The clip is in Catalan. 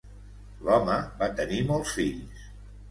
L'home va tenir molts fills.